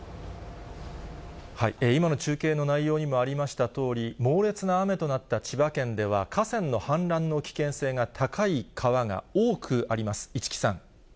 今の中継の内容にもありましたとおり、猛烈な雨となった千葉県では、河川の氾濫の危険性が高い川が多くあります。